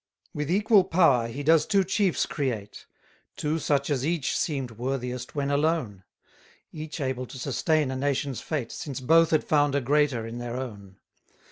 47 With equal power he does two chiefs create, Two such as each seem'd worthiest when alone; Each able to sustain a nation's fate, Since both had found a greater in their own.